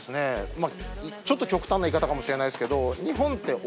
まぁちょっと極端な言い方かもしれないですけど。